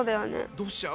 どうしちゃう？